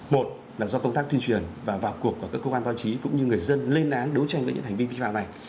một là do công tác tuyên truyền và vào cuộc của các cơ quan báo chí cũng như người dân lên án đấu tranh với những hành vi vi phạm này